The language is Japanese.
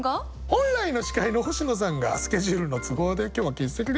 本来の司会の星野さんがスケジュールの都合で今日は欠席です。